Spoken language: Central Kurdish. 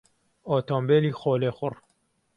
ئۆتۆمبێلی خۆلێخوڕ